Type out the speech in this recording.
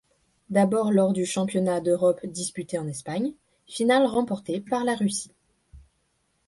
D'abord lors du championnat d'Europe disputé en Espagne, finale remportée par la Russie.